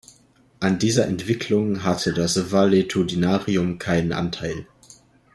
An dieser Entwicklung hatte das Valetudinarium keinen Anteil.